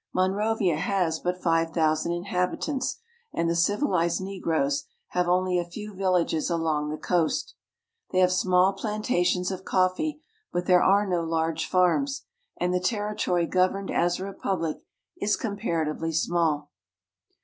Monrovia has but five thousand inhabitants, and the civil ized negroes have only a few villages along the coast. They have small plantations of coffee, but there are no large farms, and the territory governed as a republic is comparatively small.